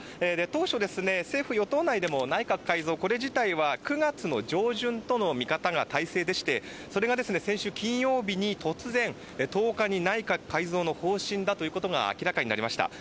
当初、政府与党内でも内閣改造自体は９月の上旬との見方が大勢でしてそれが先週金曜日に突然、１０日に内閣改造の方針だということが明らかになりました。